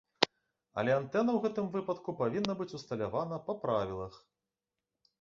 Але антэна ў гэтым выпадку павінна быць усталявана на правілах.